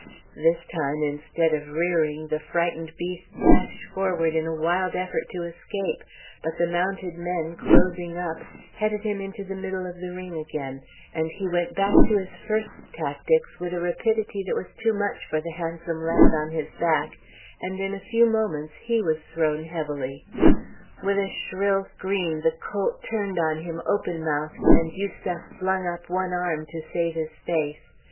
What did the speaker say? This time, instead of rearing, the frightened beast dashed forward in a wild effort to escape, but the mounted men, closing up, headed him into the middle of the ring again, and he went back to his first tactics with a rapidity that was too much for the handsome lad on his back, and in a few moments he was thrown heavily. With a shrill scream the colt turned on him open mouthed, and Yusef flung up one arm to save his face.